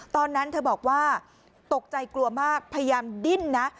ตอนนั้นเธอบอกว่าตกใจกลัวมากพยายามดิ้นนะ